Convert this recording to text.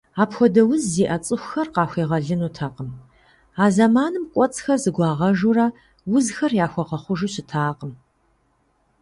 Апхуэдэ уз зиӏэ цӏыхухэр къахуегъэлынутэкъым, а зэманым кӏуэцӏхэр зэгуагъэжурэ узхэр яхуэгъэхъужу щытакъым.